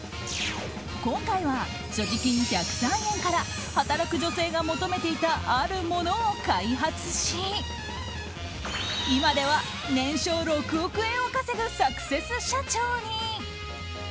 今回は所持金１０３円から働く女性が求めていたあるものを開発し今では年商６億円を稼ぐサクセス社長に。